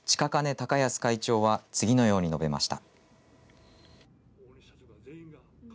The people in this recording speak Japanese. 孝休会長は次のように述べました。